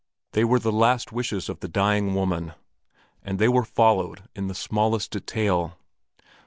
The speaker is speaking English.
They were the last wishes of the dying woman, and they were followed in the smallest detail.